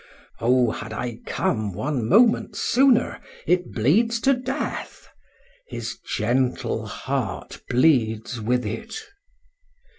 —Oh! had I come one moment sooner! it bleeds to death!—his gentle heart bleeds with it.